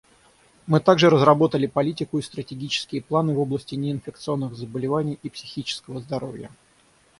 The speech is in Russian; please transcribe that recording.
Мы также разработали политику и стратегические планы в области неинфекционных заболеваний и психического здоровья.